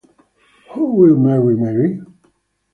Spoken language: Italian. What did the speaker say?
Who Will Marry Mary?